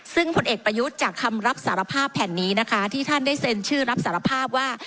ซึ่งผลเอกประยุทธ์จากคำรับสารภาพแผ่นนี้นะคะที่ท่านได้เซ็นชื่อรับสารภาพว่า